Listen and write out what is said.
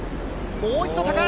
もう一度高い。